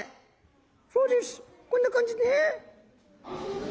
「そうですこんな感じね」。